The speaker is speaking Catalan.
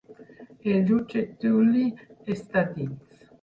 El jutge Tully està dins.